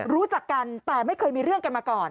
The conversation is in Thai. รู้จักกันแต่ไม่เคยมีเรื่องกันมาก่อน